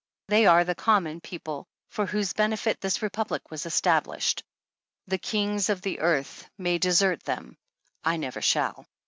They are the common people for whose benefit this Republic was established. The Kings of the earth may desert them ; I never shall.